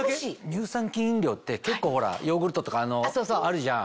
乳酸菌飲料って結構ヨーグルトとかあるじゃん。